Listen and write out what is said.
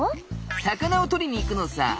魚をとりに行くのさ。